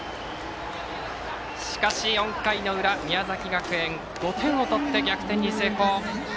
しかし４回の裏、宮崎学園５点を取って逆転に成功。